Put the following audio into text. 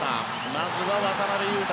まずは渡邊雄太